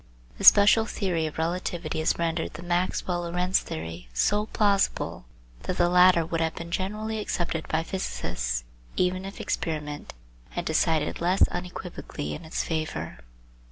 The special theory of relativity has rendered the Maxwell Lorentz theory so plausible, that the latter would have been generally accepted by physicists even if experiment had decided less unequivocally in its favour.